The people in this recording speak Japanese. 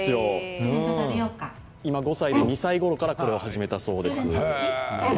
今、５歳で２歳頃からこれを始めたんだそうです。